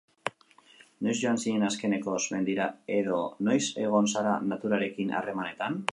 Noiz joan zinen azkenekoz mendira edo noiz egon zara naturarekin harremanetan?